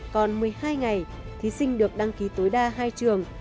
còn một mươi hai ngày thí sinh được đăng ký tối đa hai trường